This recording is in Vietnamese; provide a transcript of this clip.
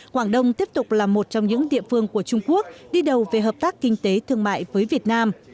quảng đông tiếp tục là một trong những địa phương của trung quốc đi đầu về hợp tác kinh tế thương mại với việt nam